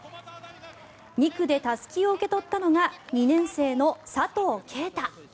２区でたすきを受け取ったのが２年生の佐藤圭汰。